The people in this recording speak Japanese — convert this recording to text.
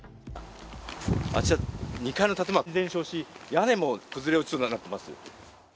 あちら、２階の建物が全焼し屋根も崩れ落ちています。